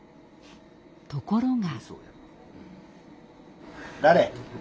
ところが。